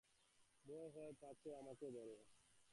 ভয় হয় পাছে আমাকেও ধরে।